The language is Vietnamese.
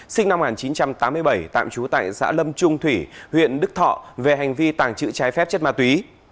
sinh năm một nghìn chín trăm tám mươi bảy tạm trú tại xã lâm trung thủy huyện đức thọ về hành vi tàng trữ trái phép chất ma túy